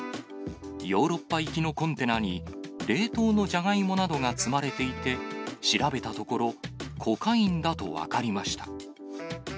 ヨーロッパ行きのコンテナに冷凍のジャガイモなどが積まれていて、調べたところ、コカインだと分かりました。